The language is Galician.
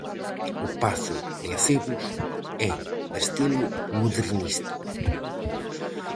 O pazo de Acebos é de estilo modernista.